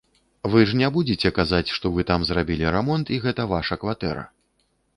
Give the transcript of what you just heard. Вы ж не будзеце казаць, што вы там зрабілі рамонт і гэта ваша кватэра.